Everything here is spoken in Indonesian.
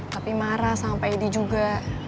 tapi marah sama pak edi juga